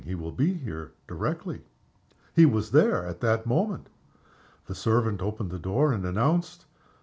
He will be here directly." He was there at that moment. The servant opened the door, and announced "Mr. Delamayn."